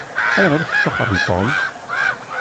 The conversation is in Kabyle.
Ayɣer i testaxṛem Tom?